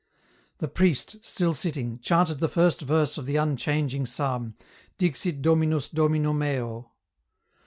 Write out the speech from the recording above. The priest, still sitting, chanted the first verse of the unchanging psalm, " Dixit Dominus Domino meo."